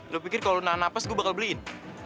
lo pikir kalau lunak nafas gue bakal beliin